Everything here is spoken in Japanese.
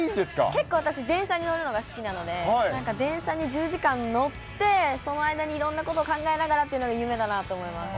結構、私、電車に乗るのが好きなので、電車に１０時間乗って、その間にいろんなことを考えながらというのが夢だなと思います。